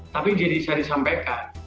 tapi jadi saya disampaikan